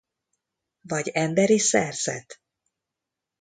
Vagy emberi szerzet?